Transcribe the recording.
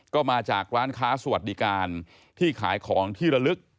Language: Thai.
ก็มาจากร้านค้าสวัสดิการที่ขายของที่ระลึก